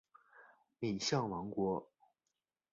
敏象王国。